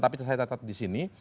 tapi saya tetap disini